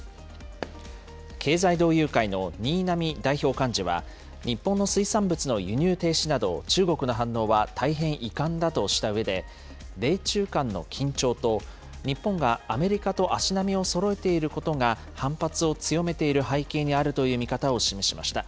経済同友会の新浪代表幹事は、日本の水産物の輸入停止など、中国の反応は大変遺憾だとしたうえで、米中間の緊張と日本がアメリカと足並みをそろえていることが反発を強めている背景にあるという見方を示しました。